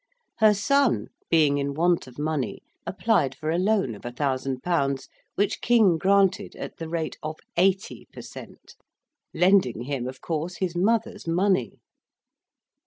Her son being in want of money applied for a loan of a thousand pounds, which King granted at the rate of 80 per cent.; lending him of course his mother's money.